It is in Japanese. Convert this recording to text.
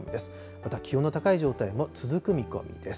また気温の高い状態も続く見込みです。